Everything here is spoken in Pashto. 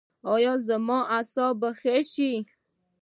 ایا زما اعصاب به ښه شي؟